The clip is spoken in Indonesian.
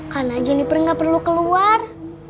karena jeniper nggak perlu keluar